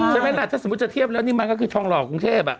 ใช่มั้ยมั้ยถ้าสมมติจะเทียบแล้วนิมมารก็คือทรองหล่อกรุงเทพ